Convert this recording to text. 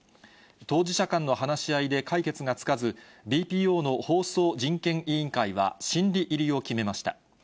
当事者間の話し合いで解決がつかず、ＢＰＯの放送人権委員会は審理入りを決めました。